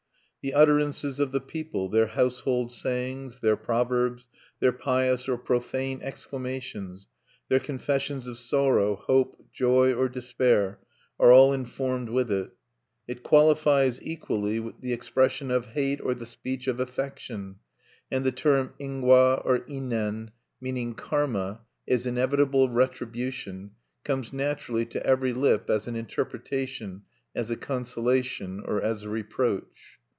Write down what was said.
The utterances of the people, their household sayings, their proverbs, their pious or profane exclamations, their confessions of sorrow, hope, joy, or despair, are all informed with it. It qualifies equally the expression of hate or the speech of affection; and the term ingwa, or innen, meaning karma as inevitable retribution, comes naturally to every lip as an interpretation, as a consolation, or as a reproach.